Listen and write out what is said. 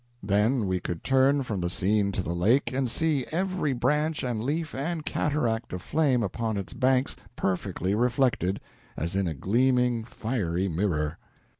Then we could turn from the scene to the lake, and see every branch and leaf and cataract of flame upon its banks perfectly reflected, as in a gleaming, fiery mirror."